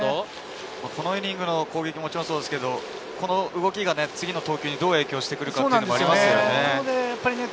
このイニングの攻撃もそうですがこの動きが次の投球にどう影響してくるのかというのもありますよね。